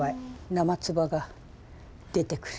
生唾が出てくる。